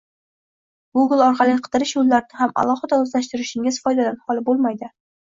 Google orqali qidirish yo’llarini ham alohida o’zlashtirishingiz foydadan holi bo’lmaydi